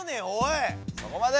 そこまで！